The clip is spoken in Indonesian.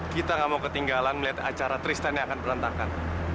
kita gak mau ketinggalan melihat acara tristan yang akan berantakan